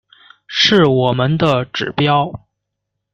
是我们的指标